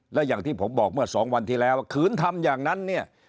และอย่างที่ผมบอกเมื่อสองวันที่แล้วว่าขืนทำอย่างนั้นเนี่ย